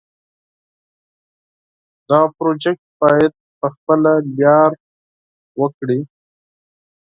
دا پروسه باید په خپله لاره وکړي.